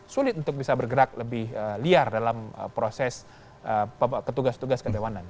sulit untuk bisa bergerak lebih liar dalam proses ketugas tugas kedewanan